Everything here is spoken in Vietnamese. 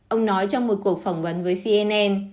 ông nói trong một cuộc phỏng vấn với cnn